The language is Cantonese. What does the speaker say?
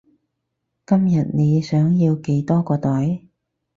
今日你想要幾多個袋？